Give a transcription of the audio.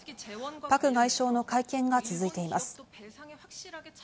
パク外相の会見が続いています。